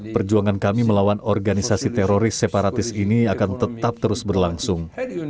perjuangan kami melawan organisasi teroris separatis ini akan tetap terus berlangsung